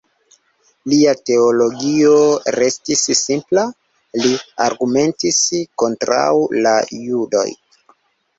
Lia teologio restis simpla; li argumentis kontraŭ la judoj.